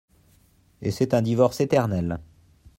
Et c'est un divorce éternel.